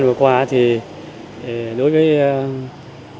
người ta vẫn nhìn đến người ta vẫn quan tâm